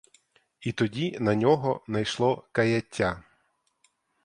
І тоді на нього найшло каяття.